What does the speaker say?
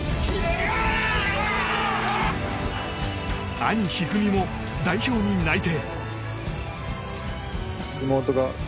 兄・一二三も代表に内定。